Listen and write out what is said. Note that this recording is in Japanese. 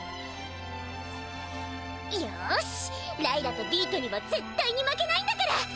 よしライラとビートにはぜったいに負けないんだから！